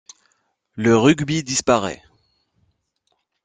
Le rugby disparaît.